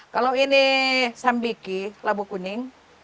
kalau ini sambiki labu kuning